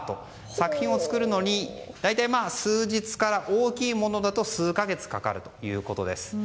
作品を作るのに、大体数日から大きいものだと数か月かかるということです。